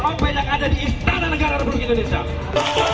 pondok pesantren al zaitun diberikan pembukaan